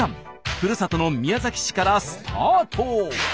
ふるさとの宮崎市からスタート！